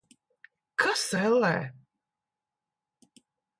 Kas, ellē?